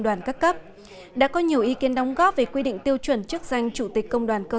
đoàn các cấp đã có nhiều ý kiến đóng góp về quy định tiêu chuẩn chức danh chủ tịch công đoàn cơ